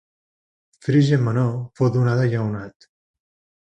Frígia Menor fou donada a Lleonat.